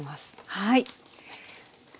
はい。